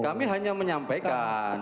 kami hanya menyampaikan